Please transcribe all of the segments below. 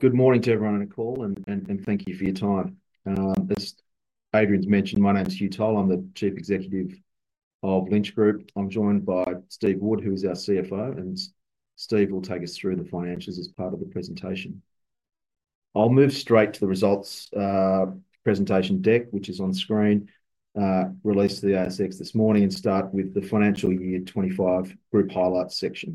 Good morning to everyone on the call, and thank you for your time. As Adrian's mentioned, my name's Hugh Toll. I'm the Chief Executive of Lynch Group. I'm joined by Steve Wood, who is our CFO, and Steve will take us through the financials as part of the presentation. I'll move straight to the results presentation deck, which is on screen, released to the ASX this morning, and start with the financial year 2025 group highlights section.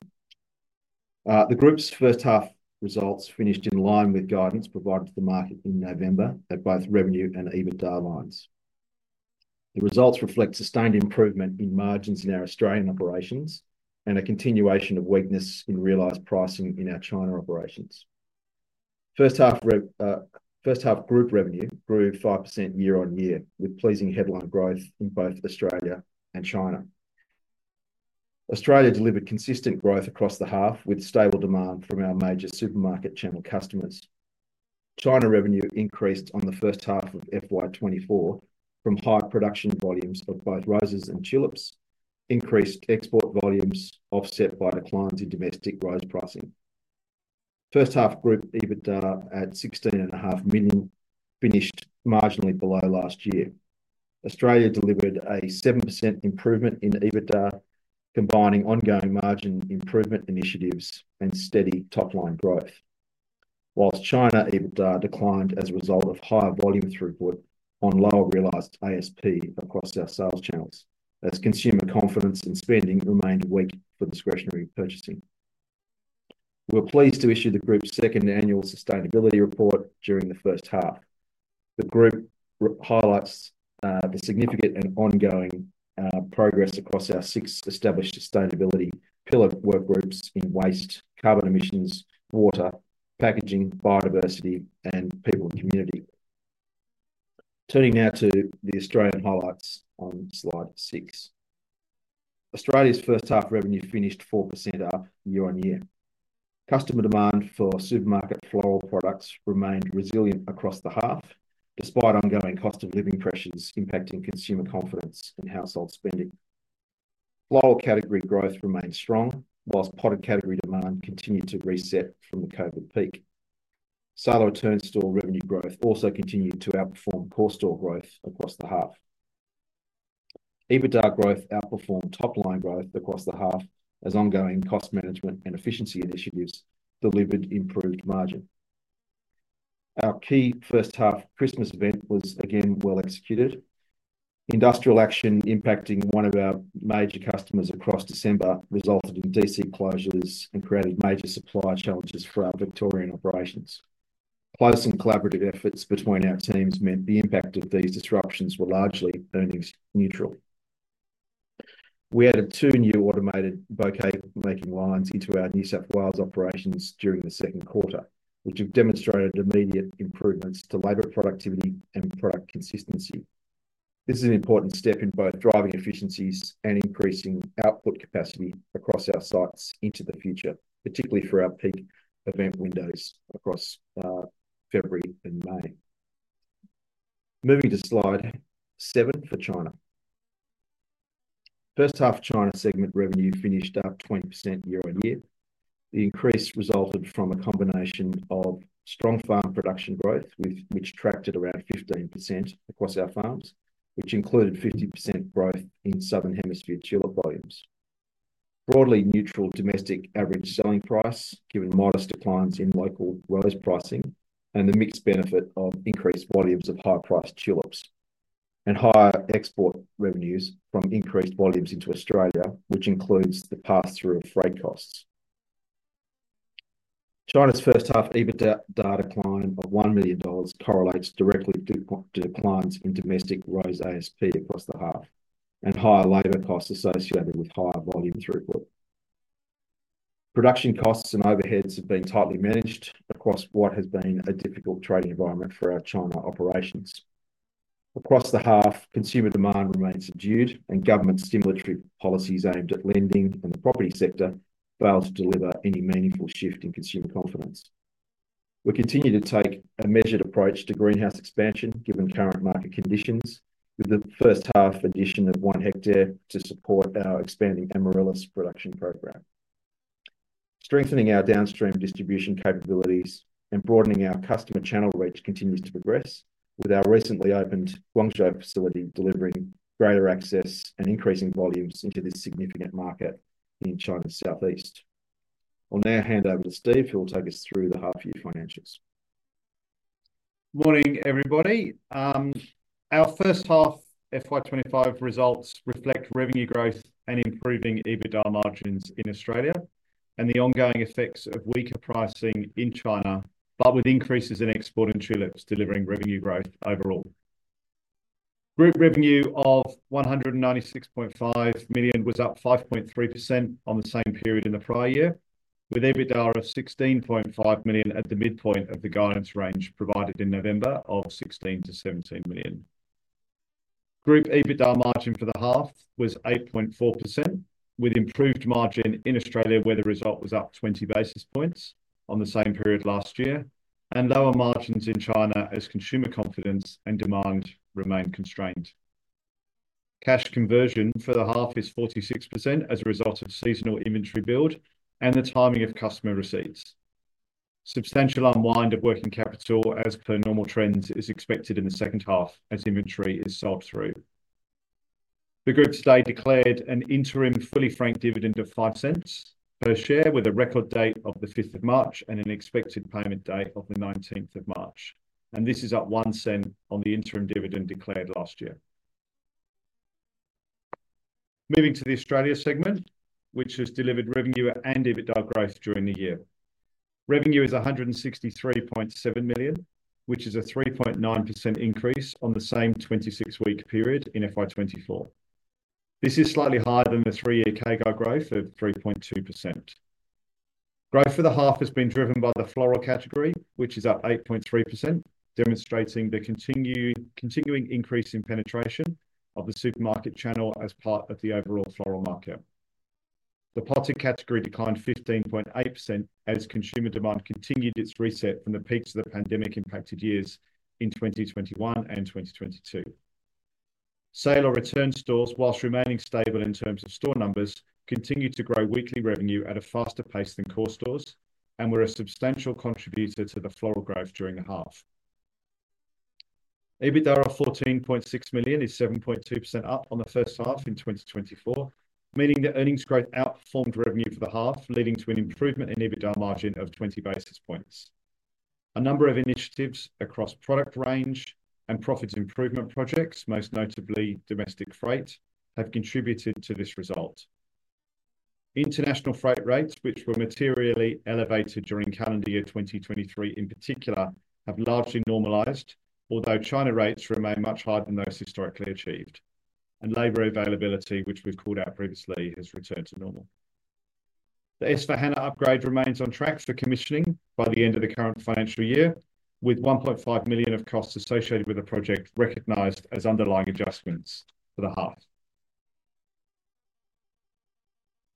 The group's first half results finished in line with guidance provided to the market in November at both revenue and EBITDA lines. The results reflect sustained improvement in margins in our Australian operations and a continuation of weakness in realized pricing in our China operations. First half group revenue grew 5% year-on-year, with pleasing headline growth in both Australia and China. Australia delivered consistent growth across the half with stable demand from our major supermarket channel customers. China revenue increased on the first half of FY 2024 from high production volumes of both roses and tulips, increased export volumes offset by declines in domestic rose pricing. First half group EBITDA at 16.5 million finished marginally below last year. Australia delivered a 7% improvement in EBITDA, combining ongoing margin improvement initiatives and steady top-line growth, whilst China EBITDA declined as a result of higher volume throughput on lower realized ASP across our sales channels, as consumer confidence in spending remained weak for discretionary purchasing. We're pleased to issue the group's second annual sustainability report during the first half. The group highlights the significant and ongoing progress across our six established sustainability pillar work groups in waste, carbon emissions, water, packaging, biodiversity, and people and community. Turning now to the Australian highlights on slide six. Australia's first half revenue finished 4% up year-on-year. Customer demand for supermarket floral products remained resilient across the half, despite ongoing cost of living pressures impacting consumer confidence in household spending. Floral category growth remained strong, whilst potted category demand continued to reset from the COVID peak. Seller return store revenue growth also continued to outperform core store growth across the half. EBITDA growth outperformed top-line growth across the half, as ongoing cost management and efficiency initiatives delivered improved margin. Our key first half Christmas event was again well executed. Industrial action impacting one of our major customers across December resulted in DC closures and created major supply challenges for our Victorian operations. Close and collaborative efforts between our teams meant the impact of these disruptions were largely earnings neutral. We added two new automated bouquet-making lines into our New South Wales operations during the second quarter, which have demonstrated immediate improvements to labor productivity and product consistency. This is an important step in both driving efficiencies and increasing output capacity across our sites into the future, particularly for our peak event windows across February and May. Moving to slide seven for China. First half China segment revenue finished up 20% year-on-year. The increase resulted from a combination of strong farm production growth, which tracked around 15% across our farms, which included 50% growth in southern hemisphere tulip volumes. Broadly neutral domestic average selling price, given modest declines in local rose pricing, and the mixed benefit of increased volumes of high-priced tulips and higher export revenues from increased volumes into Australia, which includes the pass-through of freight costs. China's first half EBITDA decline of $1 million correlates directly to declines in domestic rose ASP across the half and higher labor costs associated with higher volume throughput. Production costs and overheads have been tightly managed across what has been a difficult trading environment for our China operations. Across the half, consumer demand remains subdued, and government stimulatory policies aimed at lending and the property sector fail to deliver any meaningful shift in consumer confidence. We continue to take a measured approach to greenhouse expansion, given current market conditions, with the first half addition of one hectare to support our expanding Amaryllis production program. Strengthening our downstream distribution capabilities and broadening our customer channel reach continues to progress, with our recently opened Guangzhou facility delivering greater access and increasing volumes into this significant market in China's southeast. I'll now hand over to Steve, who will take us through the half-year financials. Morning, everybody. Our first half FY 2025 results reflect revenue growth and improving EBITDA margins in Australia and the ongoing effects of weaker pricing in China, but with increases in export and tulips delivering revenue growth overall. Group revenue of 196.5 million was up 5.3% on the same period in the prior year, with EBITDA of 16.5 million at the midpoint of the guidance range provided in November of 16-17 million. Group EBITDA margin for the half was 8.4%, with improved margin in Australia where the result was up 20 basis points on the same period last year, and lower margins in China as consumer confidence and demand remain constrained. Cash conversion for the half is 46% as a result of seasonal inventory build and the timing of customer receipts. Substantial unwind of working capital, as per normal trends, is expected in the second half as inventory is sold through. The group today declared an interim fully franked dividend of 0.05 per share with a record date of the 5th of March and an expected payment date of the 19th of March, and this is up 0.01 on the interim dividend declared last year. Moving to the Australia segment, which has delivered revenue and EBITDA growth during the year. Revenue is 163.7 million, which is a 3.9% increase on the same 26-week period in FY 2024. This is slightly higher than the three-year CAGR growth of 3.2%. Growth for the half has been driven by the floral category, which is up 8.3%, demonstrating the continuing increase in penetration of the supermarket channel as part of the overall floral market. The potted category declined 15.8% as consumer demand continued its reset from the peaks of the pandemic-impacted years in 2021 and 2022. Sale or return stores, whilst remaining stable in terms of store numbers, continued to grow weekly revenue at a faster pace than core stores and were a substantial contributor to the floral growth during the half. EBITDA of 14.6 million is 7.2% up on the first half in 2024, meaning that earnings growth outperformed revenue for the half, leading to an improvement in EBITDA margin of 20 basis points. A number of initiatives across product range and profits improvement projects, most notably domestic freight, have contributed to this result. International freight rates, which were materially elevated during calendar year 2023 in particular, have largely normalized, although China rates remain much higher than those historically achieved, and labor availability, which we've called out previously, has returned to normal. The S/4HANA upgrade remains on track for commissioning by the end of the current financial year, with 1.5 million of costs associated with the project recognized as underlying adjustments for the half.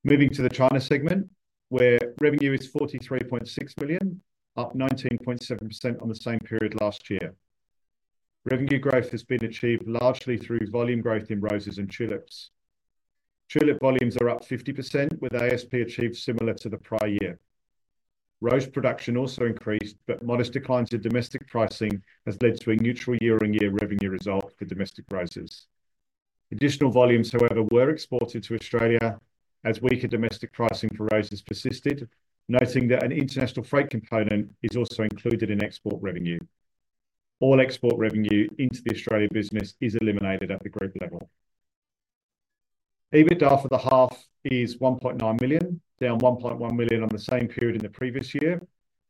Moving to the China segment, where revenue is 43.6 million, up 19.7% on the same period last year. Revenue growth has been achieved largely through volume growth in roses and tulips. Tulip volumes are up 50%, with ASP achieved similar to the prior year. Rose production also increased, but modest declines in domestic pricing have led to a neutral year-on-year revenue result for domestic roses. Additional volumes, however, were exported to Australia as weaker domestic pricing for roses persisted, noting that an international freight component is also included in export revenue. All export revenue into the Australian business is eliminated at the group level. EBITDA for the half is 1.9 million, down 1.1 million on the same period in the previous year,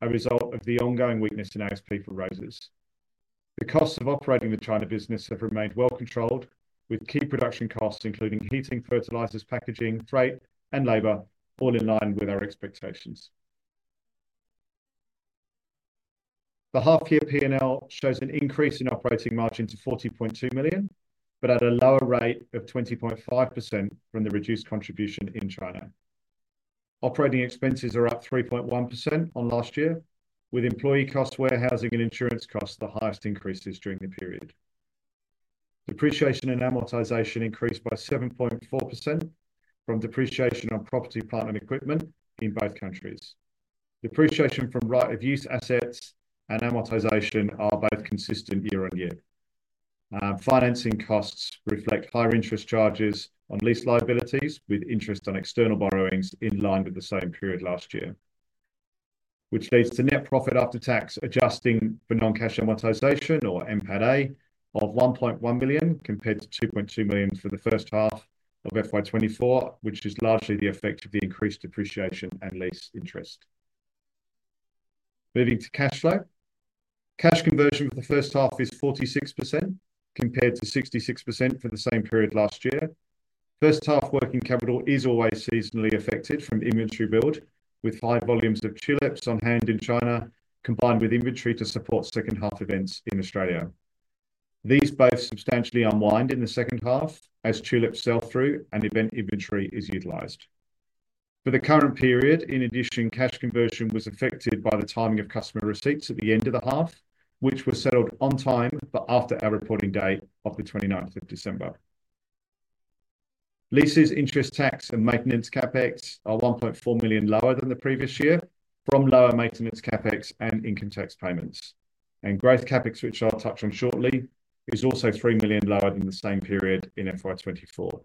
a result of the ongoing weakness in ASP for roses. The costs of operating the China business have remained well controlled, with key production costs, including heating, fertilizers, packaging, freight, and labor, all in line with our expectations. The half-year P&L shows an increase in operating margin to 40.2 million, but at a lower rate of 20.5% from the reduced contribution in China. Operating expenses are up 3.1% on last year, with employee costs, warehousing, and insurance costs the highest increases during the period. Depreciation and amortization increased by 7.4% from depreciation on property, plant, and equipment in both countries. Depreciation from right-of-use assets and amortization are both consistent year-on-year. Financing costs reflect higher interest charges on lease liabilities, with interest on external borrowings in line with the same period last year, which leads to net profit after tax adjusting for non-cash amortization, or MPATA, of 1.1 million compared to 2.2 million for the first half of fiscal year 2024, which is largely the effect of the increased depreciation and lease interest. Moving to cash flow. Cash conversion for the first half is 46% compared to 66% for the same period last year. First half working capital is always seasonally affected from inventory build, with high volumes of tulips on hand in China combined with inventory to support second half events in Australia. These both substantially unwind in the second half as tulips sell through and event inventory is utilized. For the current period, in addition, cash conversion was affected by the timing of customer receipts at the end of the half, which were settled on time but after our reporting date of the 29th of December. Leases, interest tax, and maintenance CapEx are 1.4 million lower than the previous year from lower maintenance CapEx and income tax payments, and growth CapEx, which I'll touch on shortly, is also 3 million lower than the same period in FY 2024.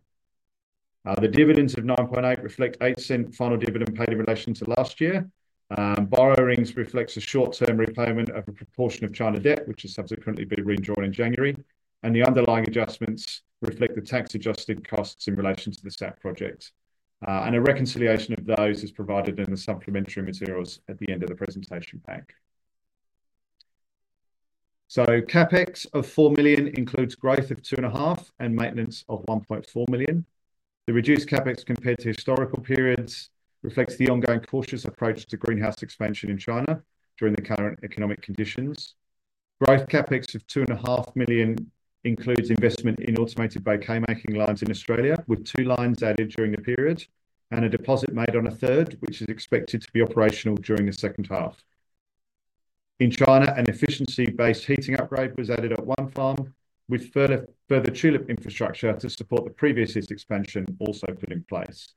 The dividends of 9.8% reflect 0.08 final dividend paid in relation to last year. Borrowings reflect a short-term repayment of a proportion of China debt, which has subsequently been re-drawn in January, and the underlying adjustments reflect the tax-adjusted costs in relation to the SAP project. A reconciliation of those is provided in the supplementary materials at the end of the presentation pack. CapEx of 4 million includes growth of 2.5% and maintenance of 1.4 million. The reduced CapEx compared to historical periods reflects the ongoing cautious approach to greenhouse expansion in China during the current economic conditions. Growth CapEx of 2.5 million includes investment in automated bouquet-making lines in Australia, with two lines added during the period and a deposit made on a third, which is expected to be operational during the second half. In China, an efficiency-based heating upgrade was added at one farm, with further tulip infrastructure to support the previous expansion also put in place.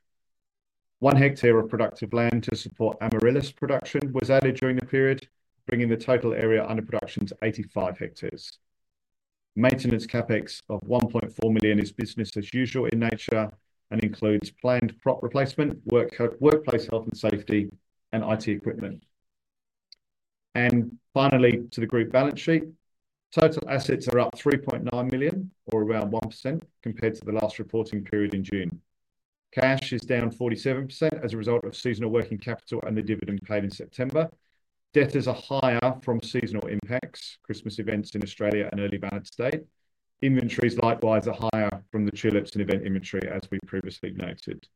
One hectare of productive land to support Amaryllis production was added during the period, bringing the total area under production to 85 hectares. Maintenance CapEx of 1.4 million is business-as-usual in nature and includes planned prop replacement, workplace health and safety, and IT equipment. Finally, to the group balance sheet, total assets are up 3.9 million, or around 1% compared to the last reporting period in June. Cash is down 47% as a result of seasonal working capital and the dividend paid in September. Debtors are higher from seasonal impacts, Christmas events in Australia and early balance date. Inventories likewise are higher from the tulips and event inventory, as we previously noted.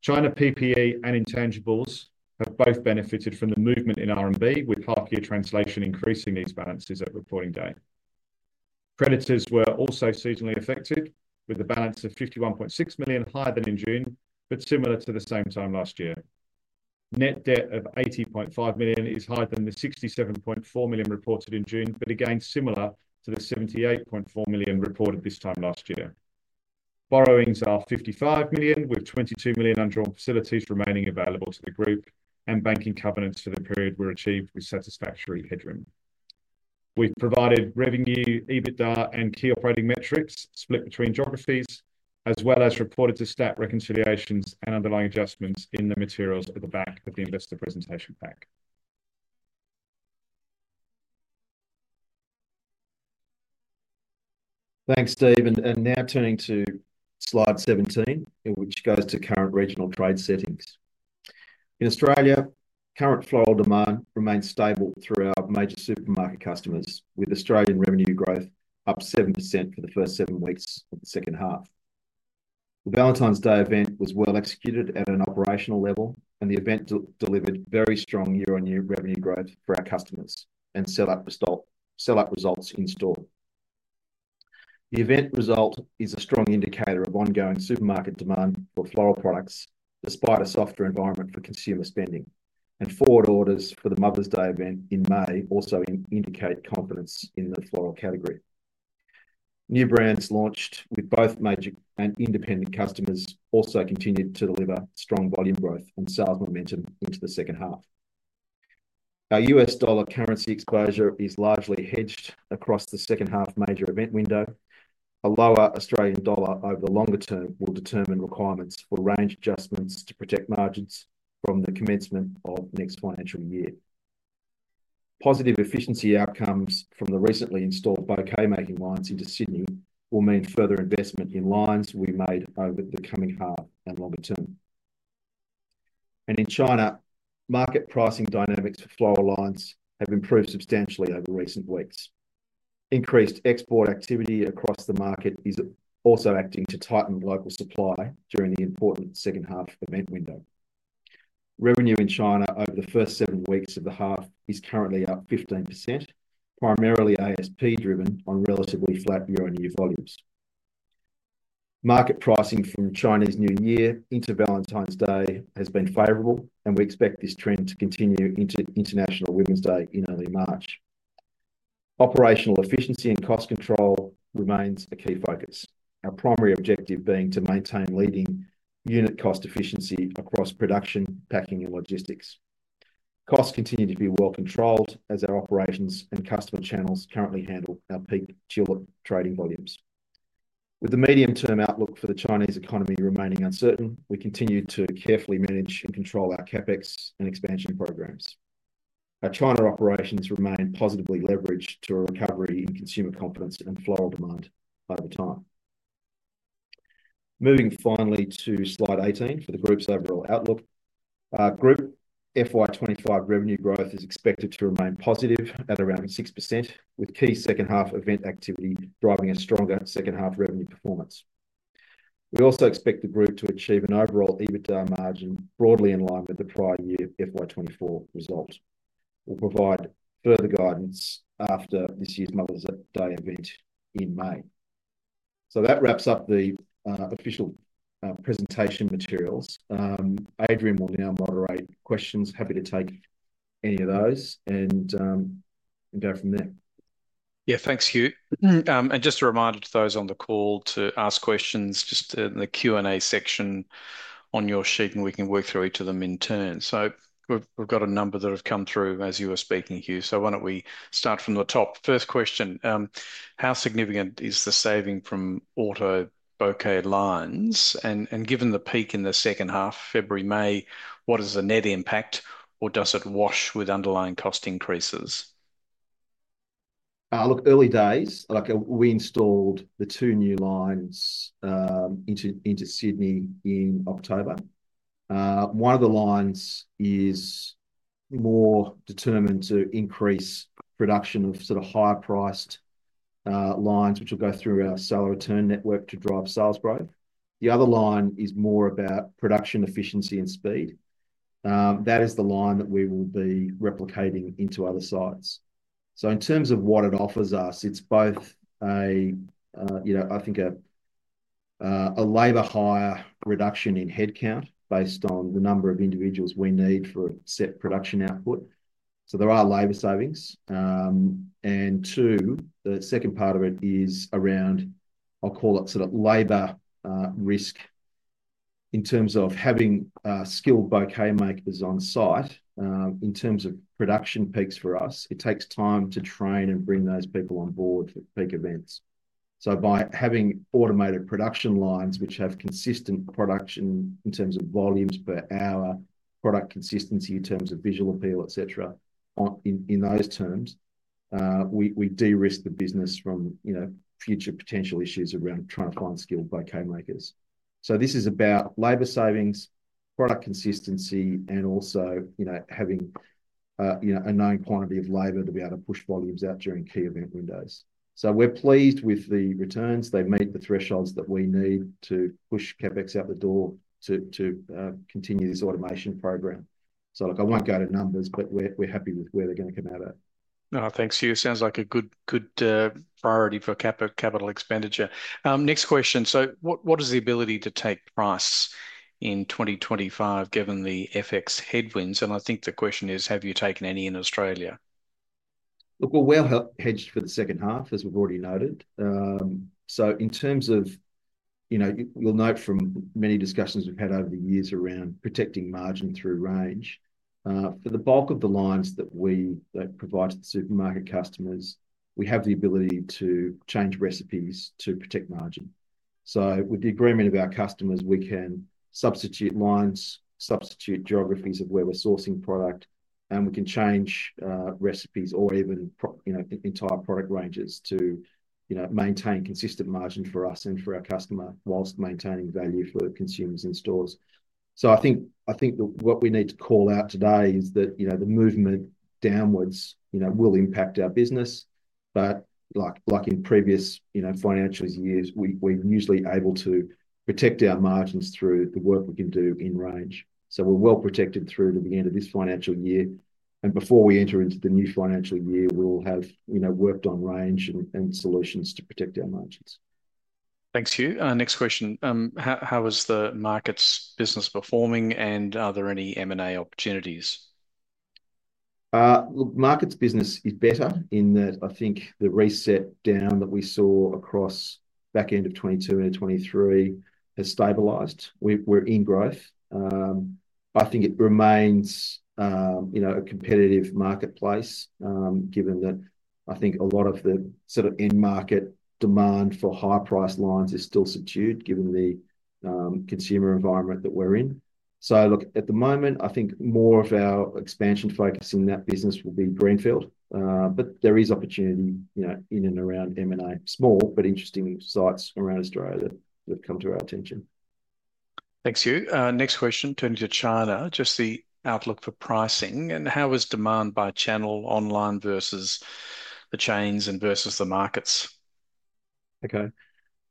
China PPE and intangibles have both benefited from the movement in RMB, with half-year translation increasing these balances at reporting day. Creditors were also seasonally affected, with the balance of 51.6 million higher than in June, but similar to the same time last year. Net debt of 80.5 million is higher than the 67.4 million reported in June, but again similar to the 78.4 million reported this time last year. Borrowings are 55 million, with 22 million under facilities remaining available to the group, and banking covenants for the period were achieved with satisfactory headroom. We've provided revenue, EBITDA, and key operating metrics split between geographies, as well as reported to STAT reconciliations and underlying adjustments in the materials at the back of the investor presentation pack. Thanks, Steve. Now turning to slide 17, which goes to current regional trade settings. In Australia, current floral demand remains stable through our major supermarket customers, with Australian revenue growth up 7% for the first seven weeks of the second half. The Valentine's Day event was well executed at an operational level, and the event delivered very strong year-on-year revenue growth for our customers and set up results in store. The event result is a strong indicator of ongoing supermarket demand for floral products despite a softer environment for consumer spending, and forward orders for the Mother's Day event in May also indicate confidence in the floral category. New brands launched with both major and independent customers also continue to deliver strong volume growth and sales momentum into the second half. Our US dollar currency exposure is largely hedged across the second half major event window. A lower Australian dollar over the longer term will determine requirements for range adjustments to protect margins from the commencement of next financial year. Positive efficiency outcomes from the recently installed bouquet-making lines into Sydney will mean further investment in lines we made over the coming half and longer term. In China, market pricing dynamics for floral lines have improved substantially over recent weeks. Increased export activity across the market is also acting to tighten local supply during the important second half event window. Revenue in China over the first seven weeks of the half is currently up 15%, primarily ASP-driven on relatively flat year-on-year volumes. Market pricing from Chinese New Year into Valentine's Day has been favorable, and we expect this trend to continue into International Women's Day in early March. Operational efficiency and cost control remains a key focus, our primary objective being to maintain leading unit cost efficiency across production, packing, and logistics. Costs continue to be well controlled as our operations and customer channels currently handle our peak tulip trading volumes. With the medium-term outlook for the Chinese economy remaining uncertain, we continue to carefully manage and control our CapEx and expansion programs. Our China operations remain positively leveraged to a recovery in consumer confidence and floral demand over time. Moving finally to slide 18 for the group's overall outlook, group FY 2025 revenue growth is expected to remain positive at around 6%, with key second half event activity driving a stronger second half revenue performance. We also expect the group to achieve an overall EBITDA margin broadly in line with the prior year FY 2024 result. We'll provide further guidance after this year's Mother's Day event in May. That wraps up the official presentation materials. Adrian will now moderate questions. Happy to take any of those and go from there. Yeah, thanks, Hugh. Just a reminder to those on the call to ask questions in the Q&A section on your sheet, and we can work through each of them in turn. We have a number that have come through as you were speaking, Hugh. Why don't we start from the top? First question, how significant is the saving from auto bouquet lines? Given the peak in the second half, February, May, what is the net impact, or does it wash with underlying cost increases? Look, early days, like we installed the two new lines into Sydney in October. One of the lines is more determined to increase production of sort of higher priced lines, which will go through our seller return network to drive sales growth. The other line is more about production efficiency and speed. That is the line that we will be replicating into other sites. In terms of what it offers us, it's both a, you know, I think a labor hire reduction in headcount based on the number of individuals we need for a set production output. There are labor savings. Two, the second part of it is around, I'll call it sort of labor risk in terms of having skilled bouquet makers on site. In terms of production peaks for us, it takes time to train and bring those people on board for peak events. By having automated production lines, which have consistent production in terms of volumes per hour, product consistency in terms of visual appeal, et cetera, in those terms, we de-risk the business from, you know, future potential issues around trying to find skilled bouquet makers. This is about labor savings, product consistency, and also, you know, having, you know, a known quantity of labor to be able to push volumes out during key event windows. We are pleased with the returns. They meet the thresholds that we need to push CapEx out the door to continue this automation program. Look, I will not go to numbers, but we are happy with where they are going to come out at. No, thanks, Hugh. Sounds like a good priority for capital expenditure. Next question. What is the ability to take price in 2025 given the FX headwinds? I think the question is, have you taken any in Australia? Look, we're well hedged for the second half, as we've already noted. In terms of, you know, you'll note from many discussions we've had over the years around protecting margin through range. For the bulk of the lines that we provide to the supermarket customers, we have the ability to change recipes to protect margin. With the agreement of our customers, we can substitute lines, substitute geographies of where we're sourcing product, and we can change recipes or even, you know, entire product ranges to, you know, maintain consistent margin for us and for our customer whilst maintaining value for consumers in stores. I think what we need to call out today is that, you know, the movement downwards, you know, will impact our business. Like in previous, you know, financial years, we're usually able to protect our margins through the work we can do in range. So we're well protected through to the end of this financial year. Before we enter into the new financial year, we'll have, you know, worked on range and solutions to protect our margins. Thanks, Hugh. Next question. How is the market's business performing, and are there any M&A opportunities? Look, market's business is better in that I think the reset down that we saw across back end of 2022 and 2023 has stabilized. We're in growth. I think it remains, you know, a competitive marketplace given that I think a lot of the sort of end market demand for high price lines is still subdued given the consumer environment that we're in. At the moment, I think more of our expansion focus in that business will be Greenfield. There is opportunity, you know, in and around M&A, small but interesting sites around Australia that have come to our attention. Thanks, Hugh. Next question turning to China, just the outlook for pricing and how is demand by channel online versus the chains and versus the markets? Okay.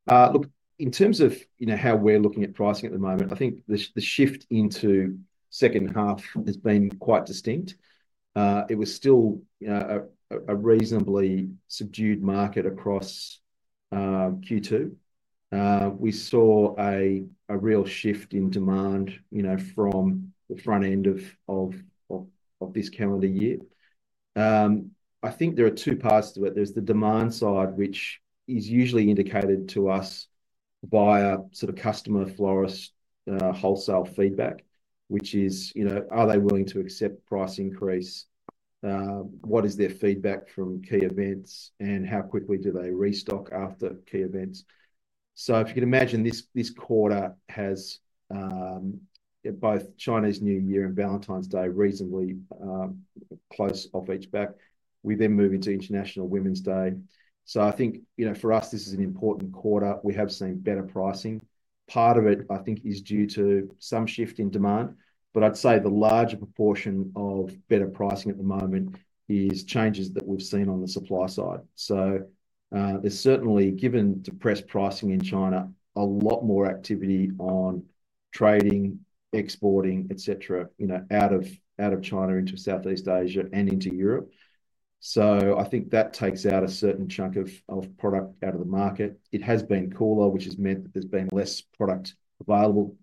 Look, in terms of, you know, how we're looking at pricing at the moment, I think the shift into second half has been quite distinct. It was still a reasonably subdued market across Q2. We saw a real shift in demand, you know, from the front end of this calendar year. I think there are two paths to it. There's the demand side, which is usually indicated to us via sort of customer florist wholesale feedback, which is, you know, are they willing to accept price increase? What is their feedback from key events, and how quickly do they restock after key events? If you can imagine this quarter has both Chinese New Year and Valentine's Day reasonably close off each back, we then move into International Women's Day. I think, you know, for us, this is an important quarter. We have seen better pricing. Part of it, I think, is due to some shift in demand, but I'd say the larger proportion of better pricing at the moment is changes that we've seen on the supply side. There's certainly, given depressed pricing in China, a lot more activity on trading, exporting, et cetera, you know, out of China into Southeast Asia and into Europe. I think that takes out a certain chunk of product out of the market. It has been cooler, which has meant that there's been less product available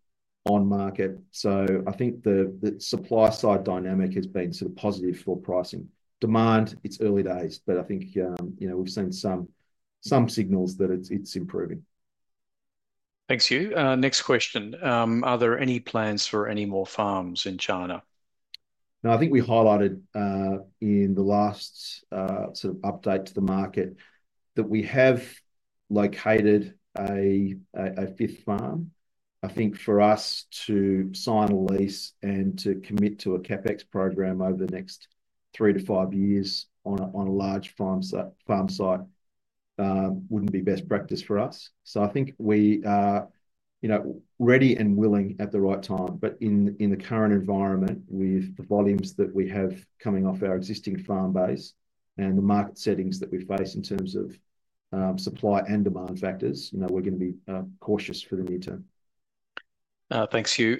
on market. I think the supply side dynamic has been sort of positive for pricing. Demand, it's early days, but I think, you know, we've seen some signals that it's improving. Thanks, Hugh. Next question. Are there any plans for any more farms in China? No, I think we highlighted in the last sort of update to the market that we have located a fifth farm. I think for us to sign a lease and to commit to a CapEx program over the next three to five years on a large farm site would not be best practice for us. I think we are, you know, ready and willing at the right time. In the current environment, with the volumes that we have coming off our existing farm base and the market settings that we face in terms of supply and demand factors, you know, we are going to be cautious for the near term. Thanks, Hugh.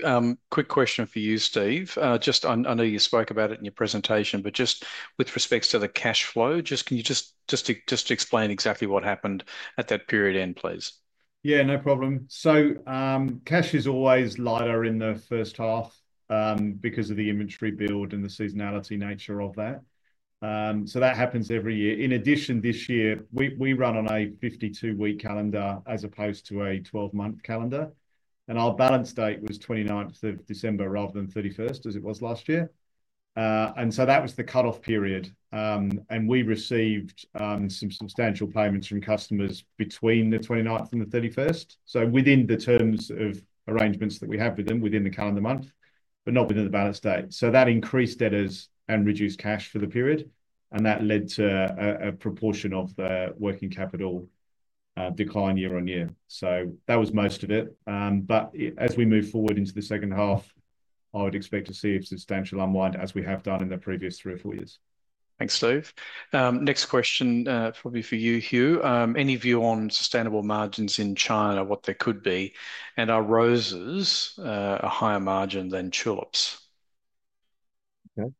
Quick question for you, Steve. Just I know you spoke about it in your presentation, but just with respect to the cash flow, can you just explain exactly what happened at that period end, please? Yeah, no problem. Cash is always lighter in the first half because of the inventory build and the seasonality nature of that. That happens every year. In addition, this year, we run on a 52-week calendar as opposed to a 12-month calendar. Our balance date was December 29 rather than December 31 as it was last year. That was the cutoff period. We received some substantial payments from customers between the 29th and the 31st, within the terms of arrangements that we have with them within the calendar month, but not within the balance date. That increased debtors and reduced cash for the period. That led to a proportion of the working capital decline year-on-year. That was most of it. As we move forward into the second half, I would expect to see a substantial unwind as we have done in the previous three or four years. Thanks, Steve. Next question probably for you, Hugh. Any view on sustainable margins in China, what there could be, and are roses a higher margin than tulips? Okay.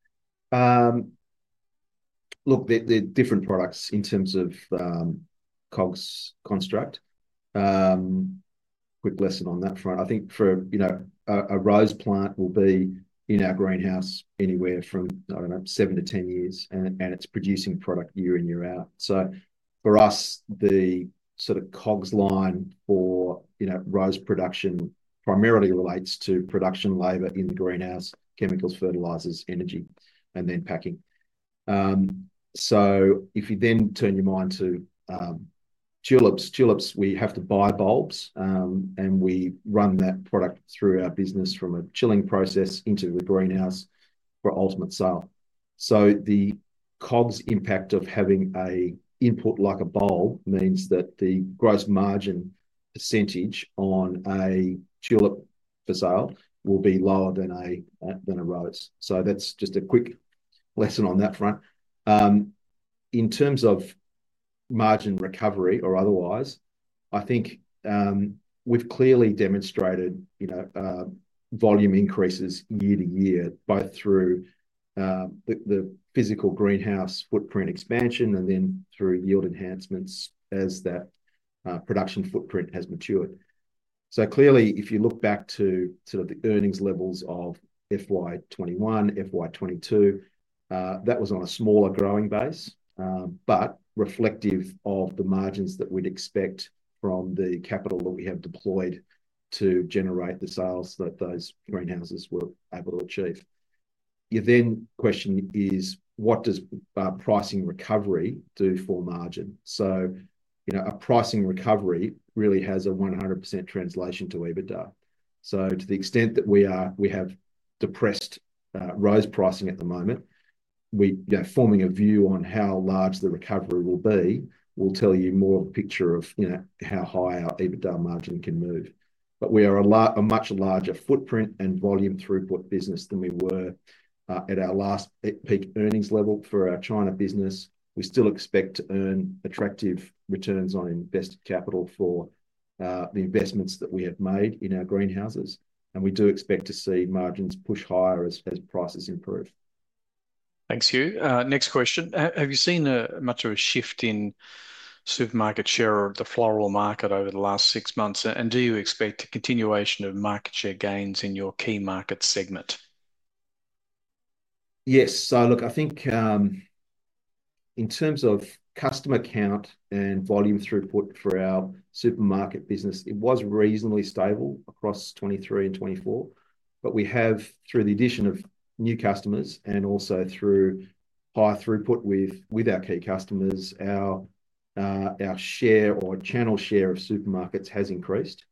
Look, they're different products in terms of COGS construct. Quick lesson on that front. I think for, you know, a rose plant will be in our greenhouse anywhere from, I don't know, seven to ten years, and it's producing product year in, year out. For us, the sort of COGS line for, you know, rose production primarily relates to production labor in the greenhouse, chemicals, fertilizers, energy, and then packing. If you then turn your mind to tulips, tulips, we have to buy bulbs, and we run that product through our business from a chilling process into the greenhouse for ultimate sale. The COGS impact of having an input like a bulb means that the gross margin percentage on a tulip for sale will be lower than a rose. That's just a quick lesson on that front. In terms of margin recovery or otherwise, I think we've clearly demonstrated, you know, volume increases year to year, both through the physical greenhouse footprint expansion and then through yield enhancements as that production footprint has matured. Clearly, if you look back to sort of the earnings levels of FY 2021, FY 2022, that was on a smaller growing base, but reflective of the margins that we'd expect from the capital that we have deployed to generate the sales that those greenhouses were able to achieve. Your then question is, what does pricing recovery do for margin? You know, a pricing recovery really has a 100% translation to EBITDA. To the extent that we have depressed rose pricing at the moment, we, you know, forming a view on how large the recovery will be, will tell you more of a picture of, you know, how high our EBITDA margin can move. We are a much larger footprint and volume throughput business than we were at our last peak earnings level for our China business. We still expect to earn attractive returns on invested capital for the investments that we have made in our greenhouses. We do expect to see margins push higher as prices improve. Thanks, Hugh. Next question. Have you seen much of a shift in supermarket share of the floral market over the last six months? Do you expect a continuation of market share gains in your key market segment? Yes. Look, I think in terms of customer count and volume throughput for our supermarket business, it was reasonably stable across 2023 and 2024. We have, through the addition of new customers and also through high throughput with our key customers, our share or channel share of supermarkets has increased.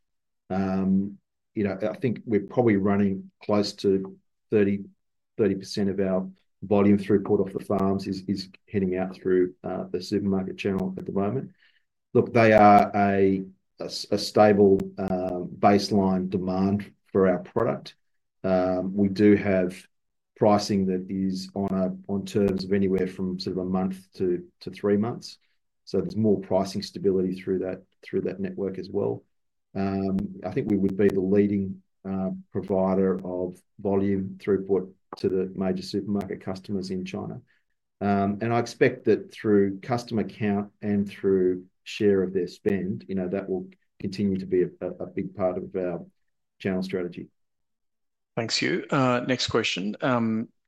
You know, I think we're probably running close to 30% of our volume throughput of the farms is heading out through the supermarket channel at the moment. Look, they are a stable baseline demand for our product. We do have pricing that is on terms of anywhere from sort of a month to three months. There is more pricing stability through that network as well. I think we would be the leading provider of volume throughput to the major supermarket customers in China. I expect that through customer count and through share of their spend, you know, that will continue to be a big part of our channel strategy. Thanks, Hugh. Next question.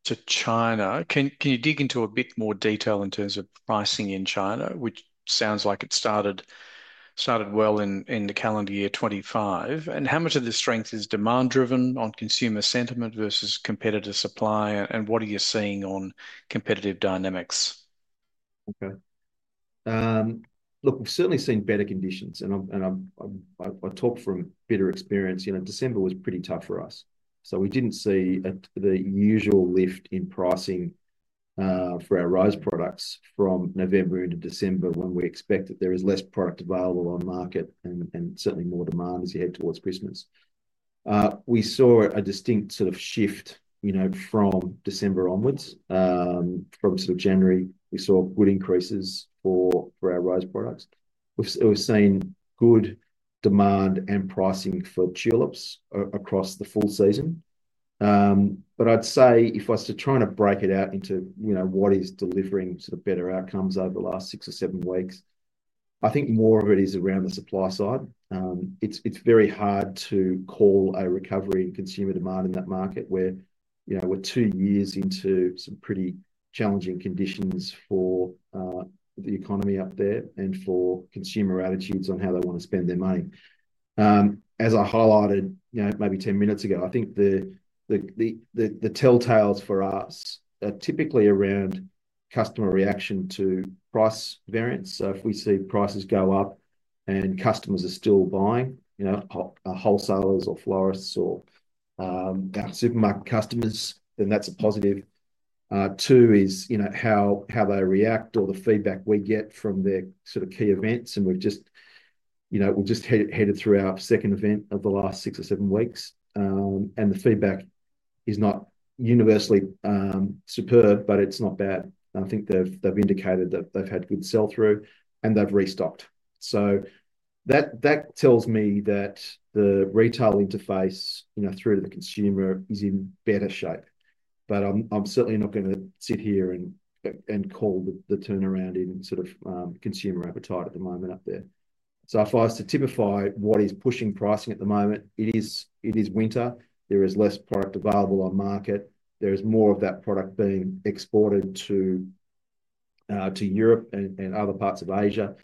To China, can you dig into a bit more detail in terms of pricing in China, which sounds like it started well in the calendar year 2025? How much of the strength is demand-driven on consumer sentiment versus competitive supply? What are you seeing on competitive dynamics? Okay. Look, we've certainly seen better conditions. I talk from better experience. You know, December was pretty tough for us. We did not see the usual lift in pricing for our rose products from November into December when we expect that there is less product available on market and certainly more demand as you head towards Christmas. We saw a distinct sort of shift, you know, from December onwards. From January, we saw good increases for our rose products. We've seen good demand and pricing for tulips across the full season. I'd say if I was to try and break it out into what is delivering better outcomes over the last six or seven weeks, I think more of it is around the supply side. It's very hard to call a recovery in consumer demand in that market where, you know, we're two years into some pretty challenging conditions for the economy up there and for consumer attitudes on how they want to spend their money. As I highlighted, you know, maybe 10 minutes ago, I think the telltales for us are typically around customer reaction to price variance. If we see prices go up and customers are still buying, you know, wholesalers or florists or our supermarket customers, then that's a positive. Two is, you know, how they react or the feedback we get from their sort of key events. We've just, you know, we've just headed through our second event of the last six or seven weeks. The feedback is not universally superb, but it's not bad. I think they've indicated that they've had good sell-through and they've restocked. That tells me that the retail interface, you know, through to the consumer is in better shape. I'm certainly not going to sit here and call the turnaround in sort of consumer appetite at the moment up there. If I was to typify what is pushing pricing at the moment, it is winter. There is less product available on market. There is more of that product being exported to Europe and other parts of Asia.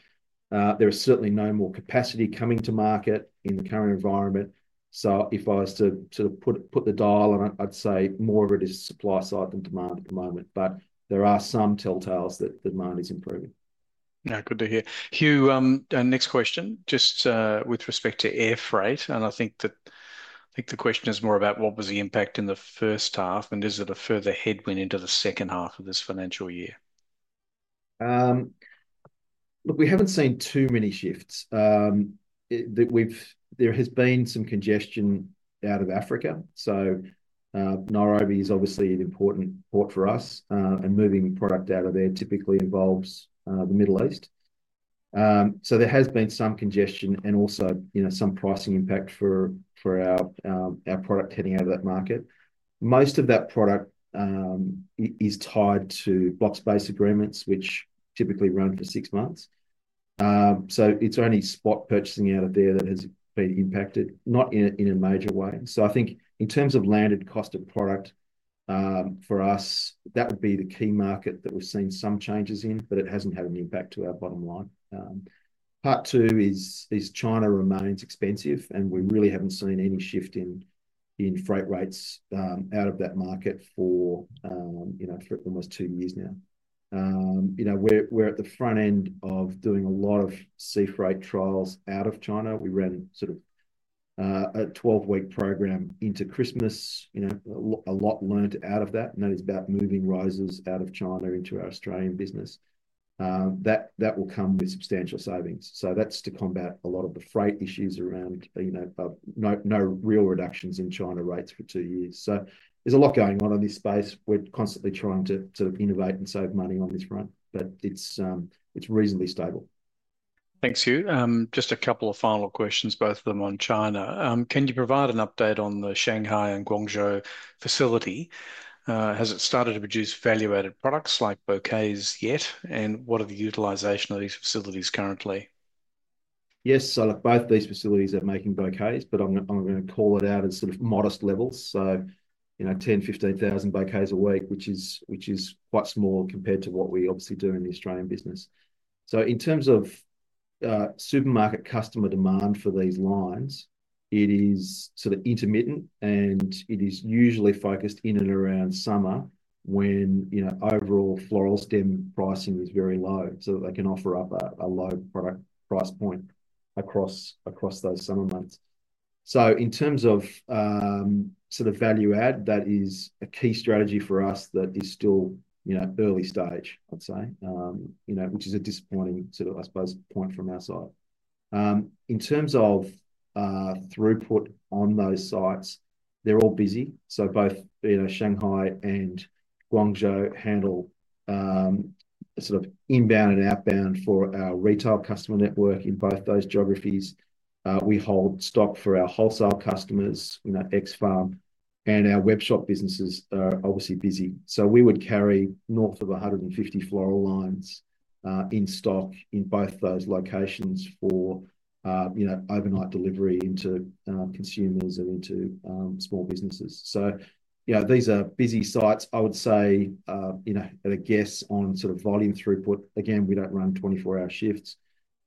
There is certainly no more capacity coming to market in the current environment. If I was to sort of put the dial, I'd say more of it is supply side than demand at the moment. There are some telltales that demand is improving. Yeah, good to hear. Hugh, next question, just with respect to air freight. I think the question is more about what was the impact in the first half? Is it a further headwind into the second half of this financial year? Look, we haven't seen too many shifts. There has been some congestion out of Africa. Nairobi is obviously an important port for us. Moving product out of there typically involves the Middle East. There has been some congestion and also, you know, some pricing impact for our product heading out of that market. Most of that product is tied to block space agreements, which typically run for six months. It's only spot purchasing out of there that has been impacted, not in a major way. I think in terms of landed cost of product for us, that would be the key market that we've seen some changes in, but it hasn't had an impact to our bottom line. Part two is China remains expensive, and we really haven't seen any shift in freight rates out of that market for, you know, for almost two years now. You know, we're at the front end of doing a lot of sea freight trials out of China. We ran sort of a 12-week program into Christmas, you know, a lot learned out of that. And that is about moving roses out of China into our Australian business. That will come with substantial savings. That is to combat a lot of the freight issues around, you know, no real reductions in China rates for two years. There is a lot going on in this space. We're constantly trying to sort of innovate and save money on this front, but it's reasonably stable. Thanks, Hugh. Just a couple of final questions, both of them on China. Can you provide an update on the Shanghai and Guangzhou facility? Has it started to produce value-added products like bouquets yet? What are the utilization of these facilities currently? Yes. Both these facilities are making bouquets, but I'm going to call it out at sort of modest levels. You know, 10,000-15,000 bouquets a week, which is quite small compared to what we obviously do in the Australian business. In terms of supermarket customer demand for these lines, it is sort of intermittent, and it is usually focused in and around summer when, you know, overall floral stem pricing is very low so that they can offer up a low product price point across those summer months. In terms of sort of value-add, that is a key strategy for us that is still, you know, early stage, I'd say, you know, which is a disappointing sort of, I suppose, point from our side. In terms of throughput on those sites, they're all busy. Both Shanghai and Guangzhou handle sort of inbound and outbound for our retail customer network in both those geographies. We hold stock for our wholesale customers, you know, X Farm, and our webshop businesses are obviously busy. We would carry north of 150 floral lines in stock in both those locations for, you know, overnight delivery into consumers and into small businesses. These are busy sites. I would say, you know, at a guess on sort of volume throughput, again, we do not run 24-hour shifts,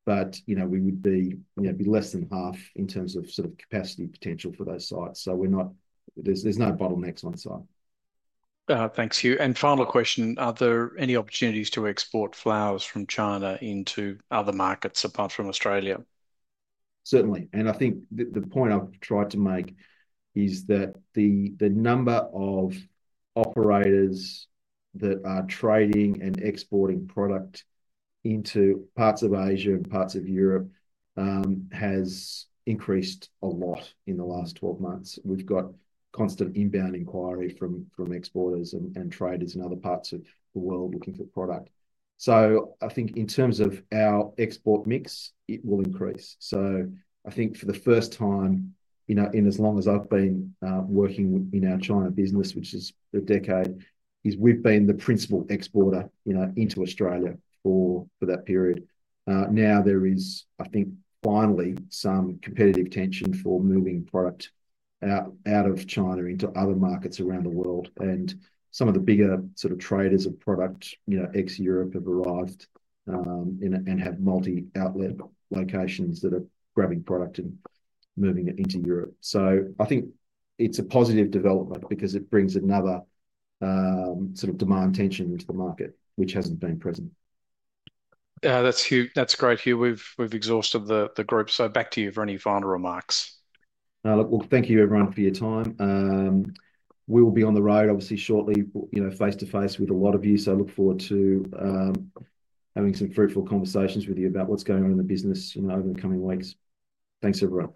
but, you know, we would be less than half in terms of sort of capacity potential for those sites. We are not, there are no bottlenecks on site. Thanks, Hugh. Final question, are there any opportunities to export flowers from China into other markets apart from Australia? Certainly. I think the point I've tried to make is that the number of operators that are trading and exporting product into parts of Asia and parts of Europe has increased a lot in the last 12 months. We've got constant inbound inquiry from exporters and traders in other parts of the world looking for product. I think in terms of our export mix, it will increase. I think for the first time, you know, in as long as I've been working in our China business, which is a decade, we've been the principal exporter, you know, into Australia for that period. Now there is, I think, finally some competitive tension for moving product out of China into other markets around the world. Some of the bigger sort of traders of product, you know, ex-Europe have arrived and have multi-outlet locations that are grabbing product and moving it into Europe. I think it's a positive development because it brings another sort of demand tension into the market, which hasn't been present. That's great, Hugh. We've exhausted the group. Back to you for any final remarks. Look, well, thank you, everyone, for your time. We will be on the road, obviously, shortly, you know, face to face with a lot of you. I look forward to having some fruitful conversations with you about what's going on in the business, you know, over the coming weeks. Thanks everyone.